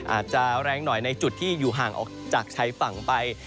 อาจจะแรงหน่อยในจุดที่อยู่ห่างออกจากชายฝั่งไป